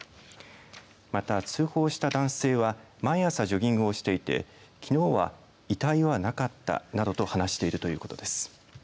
また、通報した男性は毎朝ジョギングをしていてきのうは遺体はなかったなどと話しているということです。